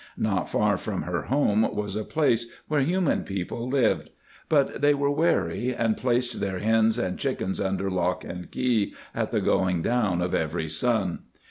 Not far from her home was a place where human people lived. But they were wary, and placed their hens and chickens under lock and key at the going down of every sun.